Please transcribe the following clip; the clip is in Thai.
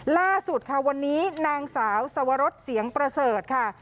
ล่าสุดค่ะวันนี้นางสาวสวรสเสียงประเสริฐค่ะ